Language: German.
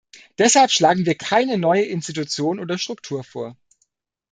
Deshalb schlagen wir keine neue Institution oder Struktur vor.